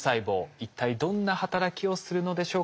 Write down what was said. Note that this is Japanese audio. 一体どんな働きをするのでしょうか？